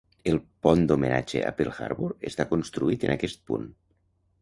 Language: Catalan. El pont d'homenatge a Pearl Harbor està construït en aquest punt.